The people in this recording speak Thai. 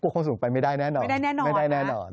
กลัวความสูงไปไม่ได้แน่นอน